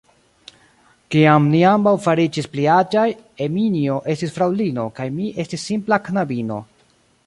Kiam ni ambaŭ fariĝis pli aĝaj, Eminjo estis fraŭlino kaj mi estis simpla knabino.